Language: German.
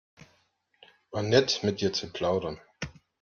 War nett, mit dir zu plaudern.